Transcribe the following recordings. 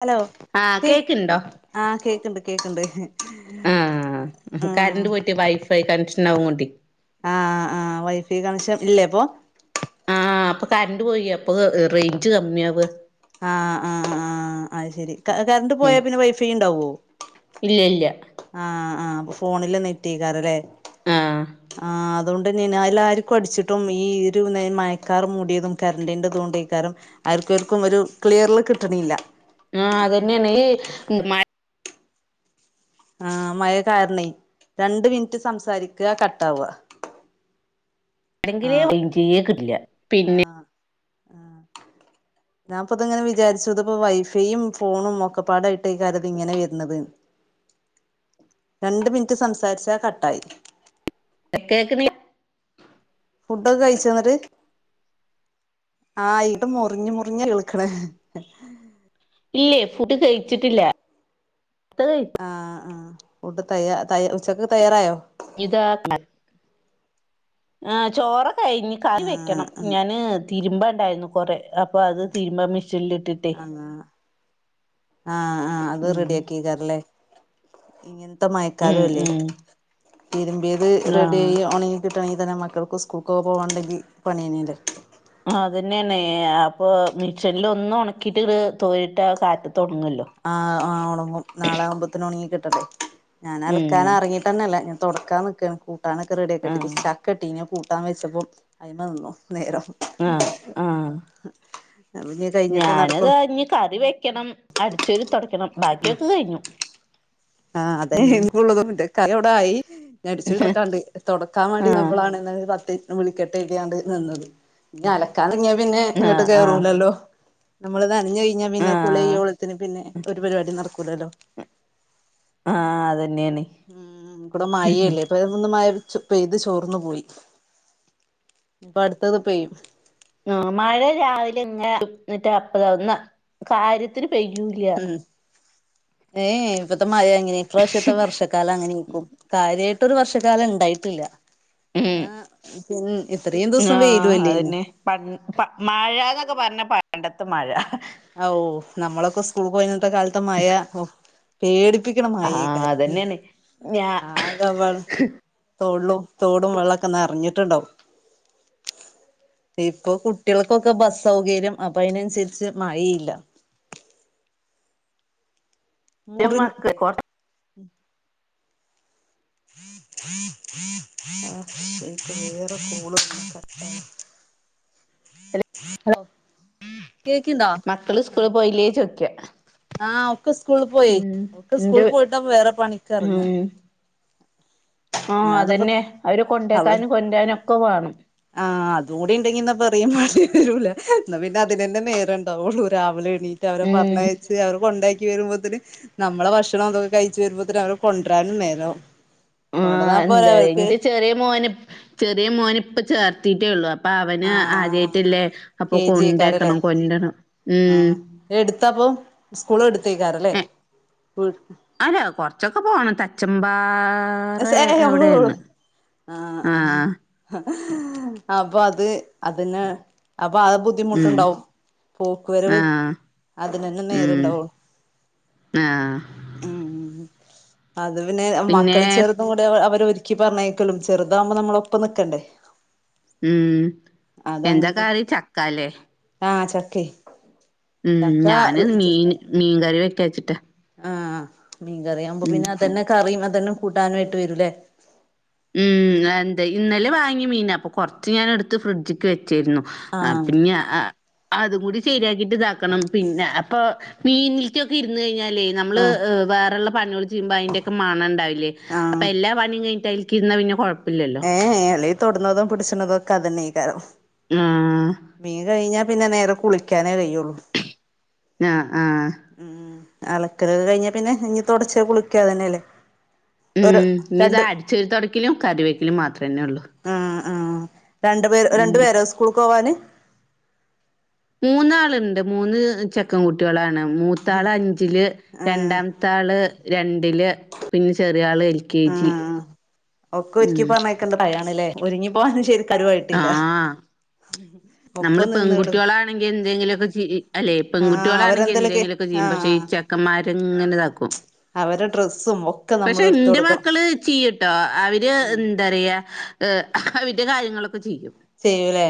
Hello ആഹ് കേക്ക്ണ്ടോ ആഹ് കേക്ണ്ട് കേക്ണ്ട്. ആഹ് കറന്റ് പോയിട്ട് വൈഫൈ കണക്ഷൻ ആവും ട്ടി ആഹ് ആഹ് വൈഫൈ കണക്ഷൻ ഇല്ലേ പ്പൊ? ആഹ് അപ്പൊ കറണ്ട് പോയി അപ്പൊ റേഞ്ച് കമ്മിയവ. ആഹ് ആഹ് ആഹ് അയ് ശരി കറണ്ട് ഉം പോയാ പിന്നെ വൈഫൈ ണ്ടാവോ? ഇല്ല ഇല്ല ആഹ് ആഹ് അപ്പൊ ഫോണില് നെറ്റേക്കാരലെ ആഹ് ആഹ് അതുകൊണ്ടെന്നേണ് അയ്ലാർക്കും അടിച്ചിട്ടും ഈ ഒരു മയക്കാർ മൂടിയതും കറണ്ടിൻ്റെതോണ്ടയ്കാരം ആർക്കും ആർക്കും ഒരു ക്ലിയർല് കിട്ടണല്ല. ആഹ് അതന്നെണ് ഈ മയ് ആഹ് മഴ കാരണ രണ്ട് മിനിറ്റ് സംസാരിക്ക കട്ടാവ മഴയാണെങ്കില് ആഹ് റേഞ്ചേ കിട്ടില്ല പിന്നെ ആഹ് ആഹ് ഞാൻപ്പതങ്ങനെ വിചാരിച്ചത്പ്പ വൈഫൈയും ഫോണും ഒക്കെപാടായിട്ട്കാരം ത്ങ്ങനെ വരുന്നത്. രണ്ട് മിനിറ്റ് സംസാരിച്ച കട്ടായി. കേക്ക്ണി ഫുഡൊക്കെ കഴിച്ചന്നിട്ട്? ആഹ് ഇത്‌ മുറിഞ്ഞ് മുറിഞ്ഞ കേൾക്കണേ ഇല്ലേ ഫുഡ് കഴിച്ചിട്ടില്ല. ആഹ് ആഹ് ഫുഡ് തയ ത ഉച്ചക്ക് തയ്യാറായോ? ഇതാ [unintelligible] ആഹ് ചോറ്കഴി കറി ആഹ് വെക്കണം ആഹ് ഞാന് തിരുമ്പണ്ടായിരുന്നു കൊറെ. അപ്പ അത് തീരുമ്പം മിഷൻല് ഇട്ടിട്ടേ. ആഹ് ആഹ് ആഹ് അത് ഉം റെഡിയാക്കിക്കാറല്ലേ? ഇങ്ങനേ തെ ഉം മയക്കാലും അല്ലേ ഉം തിരുമ്പിയത് ആഹ് റെഡ്യായി ഉണങ്ങി കിട്ടണെങ്കി തന്നെ മക്കൾക്ക് സ്കൂൾക്കെ പോവാണ്ടെങ്കി പണിയ്ഞ്ല്ലേ? ആഹ് അതനെയാണ് അപ്പൊ മിഷൻല് ഒന്നും ഒണക്കിട്ട്ത് തോരിട്ട കാറ്റത് ഒണങ്ങല്ലോ? ആഹ് ആഹ് ഉണങ്ങും നാളെ ആകുമ്പോത്ന് ഉണങ്ങികിട്ടട്ടെ ഞാൻ ഉം അലക്കാനറ ട്ടന്നല്ല ഞാ തുടക്കാൻ നിക്ക കുട്ടാനൊക്കെ ആ റെഡിയാക്കട്ടകെ ചക്ക ഇട്ടീഞ്ഞി അഹ് കൂ ട്ടാൻ വെച്ചപ്പം അയ്മെ നിന്നു നേരം. ആഹ് ആഹ് [unintelligible] ഞാനത് നടക്കൊള്ളൂ ഞ്ഞ് കറി വെക്കണം അടിച്ചൊരി തുടയ്ക്കണം ബാക്കിയൊക്കെ കഴിഞ്ഞു. ആഹ് അതെ ഉം എള്ളതുംണ്ട് കറവിട ആയി. ഞടിച്ചരി തൊടക്കാണ്ട് തുടക്കാൻ മടി ആ ബളാണ് ന്നലെ ത്തി വിളിക്കട്ടര്തീണ്ട് നിന്നത് ഇഞ് അലക്കാൻ ഇറങ്ങിയാ പിന്നെ ആ ഇങ്ങട്ട് ആ കേറൂലല്ലോ. നമ്മള് നനഞ്ഞഴിഞ്ഞാ ആ പിന്നെ കുളി ഓളത്തിന് പിന്നെ ഒരു പരിപാടി നടക്കൂലല്ലോ. ആഹ് അതന്നെണ്. ഉം ബടെ മായെല്ലേ. പയൊന്ന് മഴ പെയ്ത് ചോർന്നു പോയി ഇപ്പ അടുത്തത് പെയ്യും. ആഹ മഴ രാവിലെ ഇങ്ങനെ എന്നിട്ട് അപ്പയ ഒന്ന് കാര്യത്തിന് പെയ്യൂല. ഉം ഏ ഇപ്പത്തെ മഴ അങ്ങനെ ഇപ്രാവശ്യത്തെ വർഷക്കാലം അങ്ങനെനേക്കും കാര്യയി ട്ടൊരു ഒരു വർഷകാലം ഇണ്ടായിട്ടില്ല ഉം ഇന്നാ പിൻ ഇത്രയും ദിവസം വേലും അല്ലേന്നോ പൻ പ മയ്യാന്നൊക്കെ പറഞ്ഞ പണ്ടത്ത മഴ. ഔ നമ്മളൊക്കെ സ്കൂൾ പോയിന്നിത്തെ കാലത്ത മഴ പേടിപ്പിക്ക്ണ ആ മയെക്കാരം അതന്നെയാണ് ഞാ ആകാവെള്ള തൊള്ളും തോടും വെള്ളക്കെ നറഞ്ഞിട്ടുണ്ടാവും. ഇപ്പൊ കുട്ടികൾക്കൊക്കെ ബസ് സൗകര്യം അപ്പൊ അയിനനുസരിച്ച് മഴയില്ല. ന്റെ മുറി മക്ക് ക്കോ [inaudible] വേറെ കോൾ കട്ടായി ഹലോ കേക്കിണ്ടോ മക്കള് സ്കൂള് ആഹ് പോയില്ലേ ചോയ്ക്യാ? ആഹ് ഒക്കെ സ്കൂൾ പോയേ ഒക്കെ ന്റെ സ്കൂള് പോയിട്ട വേറെ പണിക്ക് എറങ്ങ. ആഹ അല്ലാതെപ്പ അതന്നെ അവരെ അവ കൊണ്ടേക്കാനും കൊണ്ടാരനൊക്കെ വണം. ആഹ് അതും കൂടി ഇണ്ടെങ്കി എന്നാ പറയും മണ്ടേരൂല എന്നാ പിന്നെ അതിനന്നെ നേര ഇണ്ടാവുള്ളൂ രാവിലെ എണീ റ്റ് അവരെ ഉം പറഞ്ഞച്ച് അവർ കൊണ്ടകി ക്കി വരുമ്പോത്തിന് നമ്മളെ ഭക്ഷണം ഇതൊക്കെ കഴിച്ച്ച് വരുമ്പോത്തന് അവരെ കൊണ്ടരാനും നേരവും. ആഹ് എന്താ ഇന്റെ ചെറിയ മോന് ചെറിയ മോന് ഇപ്പ ചേർത്തിട്ടേള്ളു അ അപ്പൊ അവന് ആഹ് ആദ്യായിട്ടില്ലേ അപ്പൊ കെ ജി ക്കാരല്ലേ കൊണ്ടേക്കണം കൊണ്ടരണം ഉം. ആഹ് എടുത്തപ്പൊ സ്കുള് എടുത്തേക്കാരം ല്ലേ? എ വി അല്ല കൊറച്ചൊക്കെ പോണം തച്മ്പാ സെ എഏ ആഹ ആഹ് ആഹ് അപ്പൊ അത് അതിനെ. അപ്പൊ അ ഉം ബുദ്ധിമുട്ടുണ്ടാവും പോക്ക് വരവ് ആഹ് അതിനന്നെ ഉം നേരെണ്ടാവു ആഹ് ഉം അത് പിന്നെ മക അതുകൂടെ അവ അവര് ഒരുക്കി പറഞ്ഞേക്കലും ചെറുതാവകുമോ നമ്മള് ഒപ്പം നിക്കണ്ടേ. ഉം എന്താ കറി ചക്കാലേ. ആഹ ചക്കെ. ഉം ഞാന് മീൻ മീൻകറി വെക്കച്ചിട്. ആഹ് മീൻകറിയ ആവുമ്പോ പിന്നെ അതന്നെ കറിയും അതന്നെ കൂട്ടാനായിട്ട് വരൂല്ലേ? ഉം അന്ത്‌ ഇന്നലെ വാങ്ങിയ മീന അപ്പൊ കൊറച്ച് ഞാൻ എടുത്ത് ഫ്രിഡ്ജിക്ക് വെച്ചായിരുന്നു. ആഹ ആഹ് പിന്നെ ആഹ അതും കൂടി ശരിയാക്കിട്ട് ഇതാക്കണം പിന്നെ അപ്പൊ മീനില്ലോക്കെ ഇരുന്ന് കഴിഞ്ഞാലേ നമ്മള് ആഹ് ഹ് വേറെള്ള പണികള ചെയ്യുമ്പോ അയിന്റെയൊക്കെ മണണ്ടാവില്ലേ അപ്പൊ ആഹ് എല്ലാ പണിയും കഴി ക്കിര്ന്നാ പിന്നെ കൊഴപ്പില്ലല്ലോ ഏ ഏയ് അല്ലേയ് തൊടുന്നതും പിടിച്ചുന്നതും ഒക്കെ അതന്നെയ്കാരം. ആഹ് ആഹ് മീൻ കഴിഞ്ഞാ പിന്നെ നേരെ കുളിക്കാനേ കഴിയോള്ളൂ. ആഹ ആഹ ഉം അലക്കലോക്കെ കഴിഞ്ഞ പിന്നെ ഇഞ്ഞ് തോടച്ച് കുളിക്ക തന്നെയല്ലേ. ഉം ഇനി ഇതാ അടിച്ചോരി തോടക്കലും കറി വെക്കലും മാത്രന്നേ ഉള്ളൂ. ആഹ് ആഹ് രണ്ടു പേര് രണ്ടു ഉം പേരോ സ്കൂൾക്ക് പോവാന്. മൂന്നാളുണ്ട് മൂന്ന് ചെക്കൻ കുട്ടികളാണ് മൂത്താള് അഞ്ചില് ആഹ് രണ്ടാം ത്ത ആള് രണ്ടില് പിന്നെ ചെറിയ ആള് എ ൽ ആ ഒക്കെ ഒരിക്കി പറണയാക്കേണ്ട പ്രയാണല്ലേ ഒരുങ്ങി പോവാനും ശെരി കരുവായിട്ടില്ല ആഹ് നമ്മള് പെൺകുട്ടളാണെങ്കിൽ എന്തെങ്കിലുമൊക്കെ ചെ അല്ലെ ആഹ് പെൺകുട്ടികളാണെങ്കിൽ അവരെന്തേലൊക്കെ എന്തെങ്കിലുക്കെ ചെയ്യും പക്ഷെ ഈ ആഹ് ചെ ഒക്കമാര്ഇങ്ങനെ ഇതാക്കും. അവരെ ഡ്രസ്സും ഒക്കെ നമ്മൾ പക്ഷെ എടുത്ത് എന്റെ കൊടുക്കണം മക്കള് ചെയ്ട്ടോ അവര്. ഉം ന്താ റയാ അവന്റെ കാര്യങ്ങളൊക്കെ ചെയ്യും. ചെയ്യൂലേ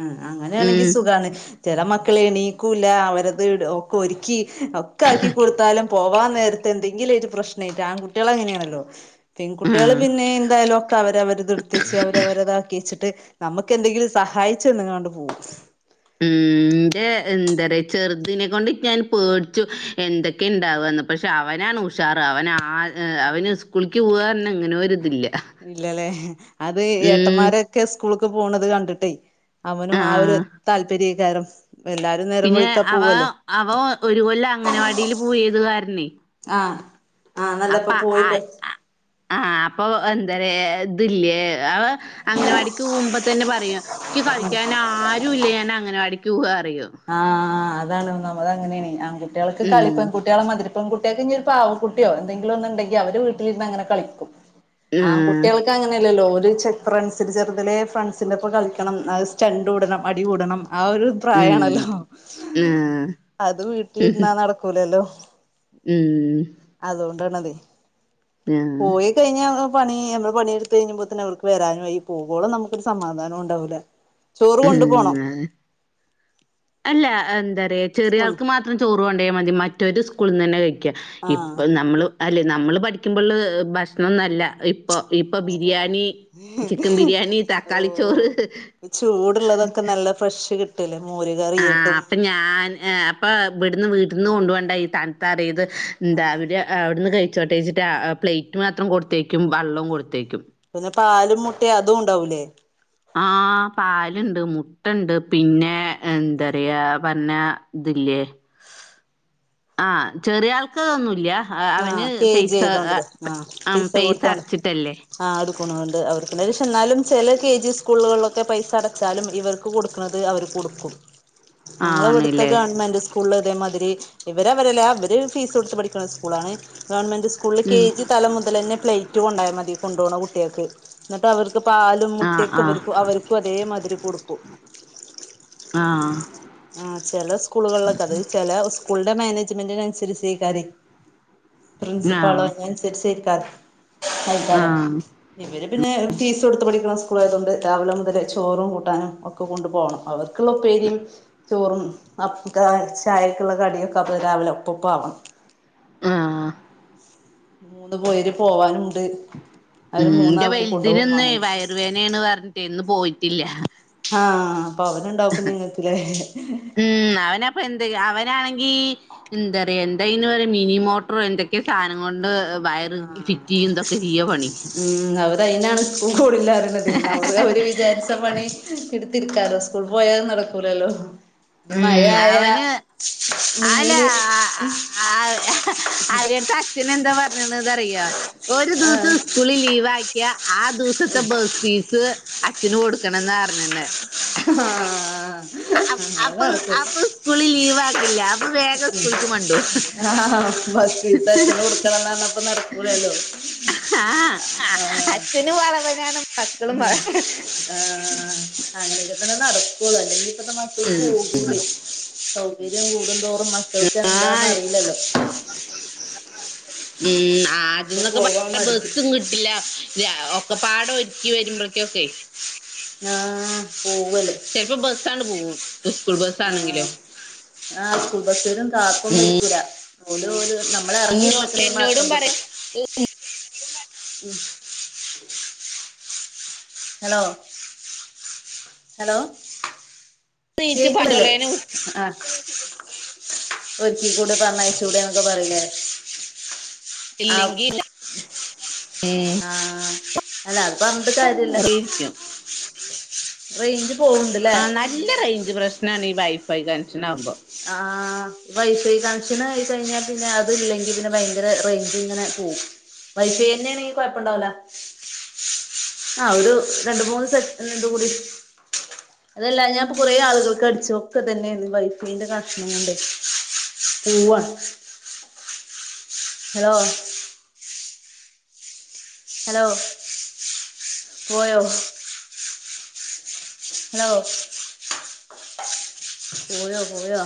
അ അങ്ങനെയാണെങ്കി ഉം സുഖാണ്. ചില മക്കള് എണീക്കൂല അവരത് ഒക്കെ ഒരുക്കി ഒക്കെ ആക്കി കൊടുത്താലും. പോവാൻ നേരത്തെ എന്തെങ്കിലും ഒരു പ്രശ്നായിട്ട് ആൺകുട്ടികള്അ ങ്ങനെയാണല്ലോ. പെൺകുട്ടികള് ആഹ് പിന്നെ എന്തായാലും ഒക്കെ അവരവരത് എടുത്തിച്ച് അവരവരതാക്കി വെച്ചിട്ട്. നമുക്ക് എന്തെങ്കിലും സഹായിച്ചന്നാണ്ട് പോക്കും. ഉംന്റെ എന്താ പറയാ ചെറുതിനിനെ കൊണ്ട് ഞാൻ പേടിച്ചു എന്തൊക്കെ ഉണ്ടാവാന്ന്. പക്ഷെ അവനാണ് ഉഷാറ് അവൻ ആ അവന് സ്കൂളക്ക് പോവാാന്നെ അങ്ങനെ ഒരിതില്ല. ഇല്ലല്ലേ അത് ഉം ഏട്ടന്മാരൊക്കെ സ്കൂളക്ക് പോണത് കണ്ടിട്ടേ. അവനും ആ ഒരു ആഹ് താല്പര്യക്കാരം എല്ലാ പിന്നെ അവ അവ ഒരു കൊല്ലം അങ്ങനവാടിൽ പോയിയത്കാരണേ. ആഹ അപ്പാ ആ ആ ആഹ അപ്പൊ എന്താരെ ഇതിലെ അവ അങ്ങനവാടിക്ക് പോകുമ്പോ തന്നെ പറയയും. എക്ക് കളിക്കാൻ ആരുല്ല ഞാൻ അങ്ങനവാടിക്ക് പോവാ റിയോ. ആഹ്താണ് നമ്മത് അങ്ങനെയണ ആ കുട്ടികൾക്ക് കളിപ് പെൺ ഉം പെൺകുട്ടികള മാതിരി കുട്ടിയൊക്കെ ഒരു പാവ കുട്ടിയോ എന്തെങ്കിലും ഒന്നണ്ടെങ്കിഅവര് വീട്ടിരുന്ന് അങ്ങെനെ കളിക്കും. ആഹ് ആൺകുട്ടികൾക്ക് അങ്ങനെയല്ലല്ലോ ഒരു ചെ ഫ്രണ്ട്സി ചെറുതലെ ഫ്രണ്ട്സിന്റെറെ ഇപ്പ കളിക്കണം സ്റ്റണ്ട് കൂടണം അടി കൂടണം ആ ഒരു പ്രായാണ്. ഉം ല്ലോ ആഹ് അത് വീട്ടിലിന്ന നടക്കൂലല്ലോ. ഉം അതുകൊണ്ടാണ്ത ആഹ് പോയി കഴിഞ്ഞാൽ പണി നമ്മടെ പണിെടുത്ത് കഴിഞ്ഞുമ്പോ തന്നെ അവർക്ക് വേറെആരുമായി പോകുമ്പോള് നമുക്കരുസമാധാനവും ഉണ്ടാവൂല്ല. ചോറ് കൊണ്ടു പോണം. ഉം അല്ല എന്താ പറയ ചെറിയ സ്കൂളിന്ന് ആൾക്ക് മാത്രം ചോറ് കൊണ്ട്ടോയ മതി മറ്റവരു സ്കൂളിൽ നിന്ന് തന്നെ കഴി ആഹ് ഇപ്പ നമ്മള് അല്ലേ നമ്മള് പഠിക്കുമ്പോള് ഭക്ഷണംന്നുംല്ല. ഇപ്പൊ ഇപ്പൊ ഓ ഓ ബിരിയാണി ചിക്കൻ ബിരിയാണി ഓ തക്കാളി ചോറ്. ചൂടുള്ളതൊക്കെ നല്ല ഫ്രഷ് കിട്ടൂലേ മോര് ആഹ് കറിയായിട്ടും. അപ്പൊ ഞാൻ അപ്പൊ ഇവിടുന്ന് വീട്ടീന്ന് കൊണ്ട പോവണ്ട ഈ തക്കറീത് ആ എന്താ അവയ് അവിടെന്ന് കഴിച്ചോട്ടേച്ചിട്ട് പ്ലേറ്റ് മാത്രം കൊടുത്തേക്കും വെള്ളവും കൊടുത്തേക്കും. പിന്നെ പാലും മുട്ടയും അതും ഉണ്ടാവൂലേ. ആഹ് പാലുണ്ട് മുട്ട ഉണ്ട് പിന്നെ എന്താ പറയാ ഇതില്ലേ. [inaudible] ആഹ് ചെറിയാൾക്ക് ഒന്നുല്ല. അ ആഹ് അവന് കെ ജി പൈസ ആ ചെയ്തോണ്ടില്ലേ അം പൈസ അട്ച്ചിട്ടല്ലേ. ആ അടുക്കുണുണ്ട് അവർക്ക് പക്ഷെ എന്നാലും ചില കെ ജി സ്കൂളുകൾലൊക്കെ പൈസ അടച്ചാലും ഇവർ. ക്ക് കൊട്ക്കുണത് അവര് കൊടുക്കും. നങ്ങളെ ഇവട്ത്തെ ആണ്ല്ലേ ഗവൺമെന്റ് സ്കൂൾല് ഇതേമാതിരി ഇവര് അവരല്ലാ അവര് ഫീസൊട്ത്ത് പഠിക്കണ സ് കൂളാണ് ഗവൺമെൻറ് സ്കൂൾല് കെ ഉം ജി തലം മുതലെന്നെ പ്ലെയ് റ്റ് കൊണ്ടായാ മതി കൊണ്ടോണ കുട്ട്യാക്ക് എന്നട്ട് അവർക്ക് പാലും ആഹ് മുട്ടിയൊക്കെ ആഹ് ഇവർക്ക് അവര്. ക്കു അതെ മാതിരി കൊടുക്കൂ. ആഹ്. ആഹ് ചെലെ സ്കൂളുകൾലൊക്കെ അത് ചില സ്കൂൾൻ്റെ മാനേജ്മെന്റിനനുസരിച്ചയ്ക്കാരെ. പ്രിൻസിപ്പാളോ ആഹ് അയ്നൻസര്ച്ചയ്ക്കാരം ആഹ് അയ്ക്കാരം. ആഹ് ഇവര് പിന്നെ ഫീസൊട്ത്ത് പഠിക്ക്ണ സ്കൂളായതോണ്ട് രാവിലെ മുതല് ചോറും കൂട്ടാനും ഒക്കെ കൊണ്ടു പോണം അവർ. ക്ക്ള്ള ഉപ്പേരീം. ചോറും അപ് ക ചായക്കുള്ള കടിയൊക്കെ അപ്പ രാവിലെ ഒപ്പപ്പ ആവണം. ആഹ്. മൂന്ന് പേര് പോവാനൂണ്ട്. ഉം ഇന്റെ വൽതിനിന്ന് വയറുവേനേണ് പറഞ്ഞിട്ട് ഇന്ന് പോയിറ്റില്ല. ആഹ് അപ്പൊ അവന്ണ്ടവുപ്പഞ്ഞ് ഇങ്ങക്ക്ലേ. ഉം അവനപ്പൊ എന്ത് അവനാണെങ്കി. എന്താ പറയ എന്തയ്ന് പറയ മിനി മോട്ടറോ എന്തൊക്കെ സാധനം കൊണ്ട്. വയറ് ആഹ് ഫിറ്റ്യ്യും ഇതൊക്കെ ചെയ്യ പണി. ഉം അവറ് അയ്നാണ് സ്കൂക്കോണില്ല പറിണതെ ഇന്നാ അവറ് അവര് വിചാരി ത്ത പണി ഇട്ത്തിര്ക്കാലോ സ്കൂൾ പോയാലു അത് നടക്കൂലല്ലോ. ഇഞ്ഞ് ഉം മഴായ അവന് അല്ല മീന് ഉം. ച്ചനെന്താ പറഞ്ഞത് ന്നറിയാ ഒരു ദിവസം ആഹ് സ്കൂളിൽ ലീവാ ക്ക്യ ആ ദിവസത്തെ ബസ് ഫീസ് അച്ഛന് കൊടുക്കണന്ന പറഞ്ന്ന. ആഹ്. അപ് അത് അപ്പൊ നടക്കും അപ്പൊ സ്കൂള് ലീവാക്കില്ല അപ്പൊ വേഗം സ്കൂള്ക്ക് മണ്ടു. ആഹ് ബസ് ഫീസ് അഛന് കൊടുക്കണംന്ന് പറഞ്ഞപ്പൊ നടക്കൂലല്ലൊ. ആഹ് അ അച്ഛനും വളവനാണ് മക്കളും വളവ ഏഹ് അങ്ങന [unintelligible] ങ്ങനെ നടക്കൊള്ളു അല്ലെങ്കി ഇപ്പത്തെ മക്കള് ഉം. പോകൂലെയ് സൗകര്യം കൂടുംന്തോറും മ ചോദിച്ചാ ആ എന്താന്നറിയില്ലല്ലോ. ഉം അപ്പൊ ആദ്യന്നൊക്കെ പ [unintelligible] പോവാൻ ഞ്ഞ മടിക്കും ബസും കിട്ടില്ല. വ്യാ ഒക്കെപ്പാടെ ഒര്ക്കി വരുമ്പൾക്ക്യൊക്കെ. ആഹ് പോവ്വല്. ചെൽപ്പം ബസങ്ങട് പോകും. ആഹ് ആഹ് സ്കൂൾ ബസ്സരും കാത്തൊന്നും ഉം. ഇര്ക്കൂല ഓല് ഓല് ന മ്മള് എറങ്ങി ഇന്നോ- ഇര്ന്ന്ക്ക്ണെ മാത്രം എന്നോടും പറയാം കിട്ടും. ഹലോ. ഹലോ നീച്ച് കേക്ക്ണ്ല്ലേ പടളേനെ ആഹ്. ഒര്ക്കി കൂടെ പറഞ്ഞയ്ച്ചൂടെന്നൊക്കെ പറയിലേ. ഇല്ലെങ്കി ഉം. ആഹ് അല്ല അത് പറഞ്ഞിട്ട് കാര്യല്ല ഇരിക്കും. റേയിഞ്ച് പോവ് ആഹ് നല്ല റേഞ്ച് പ്രശ്നാണ് ഈ വൈഫൈ കൻഷൻ ആകുമ്പോൾ ആഹ് വൈഫൈ കൺഷൻ ആയി കഴിഞ്ഞാൽ പിന്നെ അതില്ലെങ്കി പിന്നെ ഭയങ്കര റേഞ്ച് ഇങ്ങനെ പോകും വൈഫൈ തന്നെയ ആണെങ്കിൽ കൊഴപ്പണ്ടാവുല ആ ഒരു രണ്ട് മൂന്ന് സെറ്റ് ഇത് കൂടി അതല്ലാ ഞാപ്പൊ കുറെ ആളുകൾക്ക് അടിച്ചു, ഒക്കെ ഇതന്നെനെന്ന് വൈ വൈഫൈന്റെ കനക്ഷങ്ങണ്ട് പൂവാണ് ഹലോ ഹലോ പോയോ ഹലോ പോയൊ പോയാ